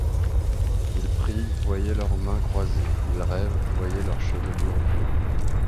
Ils prient, voyez leurs mains croisées; ils rêvent, voyez leurs chevelures bleues.